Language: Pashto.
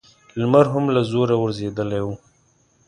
لمر هم له زوره غورځېدلی و.